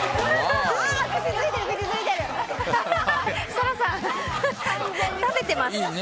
設楽さん、食べてます。